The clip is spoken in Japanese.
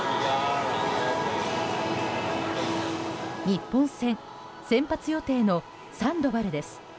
日本戦先発予定のサンドバルです。